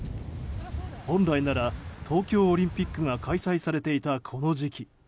本来なら東京オリンピックが開催されていた、この時期。